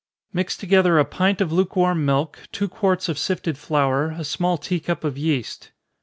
_ Mix together a pint of lukewarm milk, two quarts of sifted flour, a small tea cup of yeast.